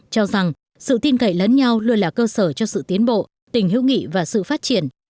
cho rằng sự tin cậy lẫn nhau luôn là cơ sở cho sự tiến bộ tình hữu nghị và sự phát triển